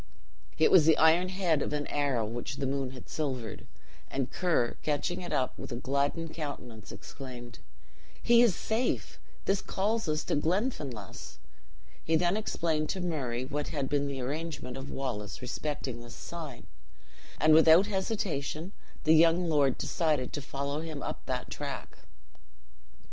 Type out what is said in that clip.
It was the iron head of an arrow which the moon had silvered; and Ker, catching it up, with a gladdened countenance exclaimed, "He is safe! this calls us to Glenfinlass." He then explained to Murray what had been the arrangement of Wallace respecting this sign, and without hesitation the young lord decided to follow him up that track.